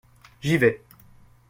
J’y vais.